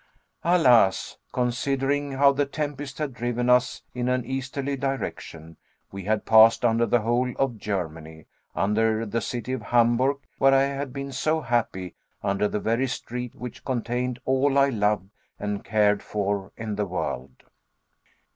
Alas, considering how the tempest had driven us in an easterly direction, we had passed under the whole of Germany, under the city of Hamburg where I had been so happy, under the very street which contained all I loved and cared for in the world.